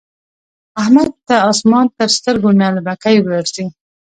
احمد ته اسمان تر سترګو نعلبکی ورځي.